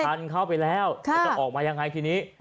ทันเข้าไปแล้วจะออกมายังไงทีนี้